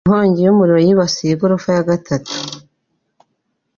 Inkongi y'umuriro yibasiye igorofa ya gatanu.